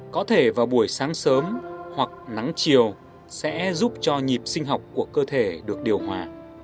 có thể vào buổi sáng sớm hoặc nắng chiều sẽ giúp cho nhịp sinh học của cơ thể được điều hòa